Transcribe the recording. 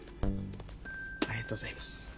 ありがとうございます。